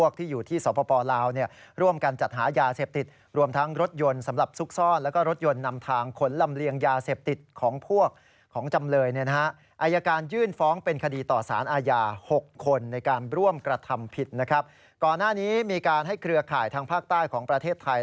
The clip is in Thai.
ก่อนหน้านี้มีการให้เครือข่ายทางภาคใต้ของประเทศไทย